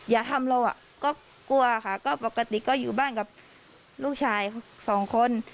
อย่าทำเราอ่ะก็กลัวค่ะก็ปกติก็อยู่บ้านกับลูกชายสองคน